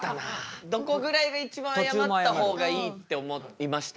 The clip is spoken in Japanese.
どこぐらいが一番あやまった方がいいって思いました？